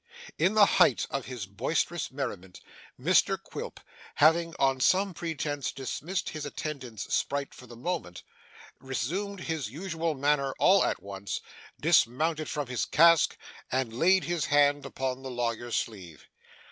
In the height of his boisterous merriment, Mr Quilp, having on some pretence dismissed his attendant sprite for the moment, resumed his usual manner all at once, dismounted from his cask, and laid his hand upon the lawyer's sleeve.